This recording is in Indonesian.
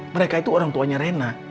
mereka itu orang tuanya rena